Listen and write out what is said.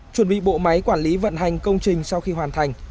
chuẩn bị bộ máy quản lý vận hành công trình sau khi hoàn thành